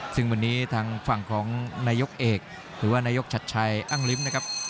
ซึ่งวันนี้ทางฝั่งของนายกเอกหรือว่านายกชัดชัยอ้างลิ้มนะครับ